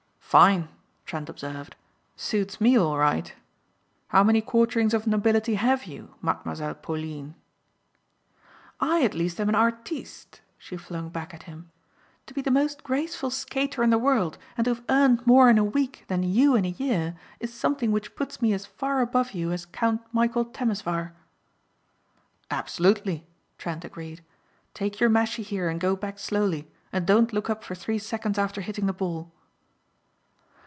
"Fine!" Trent observed, "suits me all right. How many quarterings of nobility have you Mademoiselle Pauline?" "I at least am an artiste," she flung back at him. "To be the most graceful skater in the world and to have earned more in a week than you in a year is something which puts me as far above you as Count Michæl Temesvar." "Absolutely," Trent agreed, "take your mashie here and go back slowly and don't look up for three seconds after hitting the ball."